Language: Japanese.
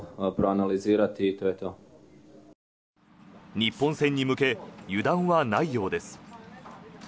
日本戦に向け油断はないようです。